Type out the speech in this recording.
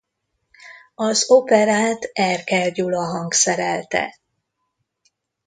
Az operát Erkel Gyula hangszerelte.